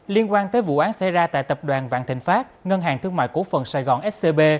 liên quan tới vụ án xảy ra tại tập đoàn vạn thịnh pháp ngân hàng thương mại cổ phần sài gòn scb